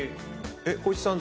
光一さん